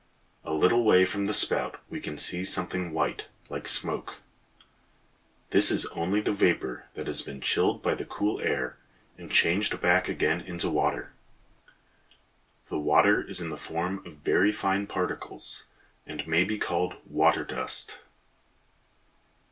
A little way from the spout we see something white, like smoke. This is only the vapor that has been chilled by the cool air and changed back again into water. The water is in the form of very fine particles, and may be called water dust.